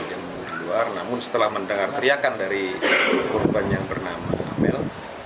yang di luar namun setelah mendengar teriakan dari korban yang bernama amel